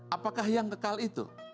apakah yang kekal itu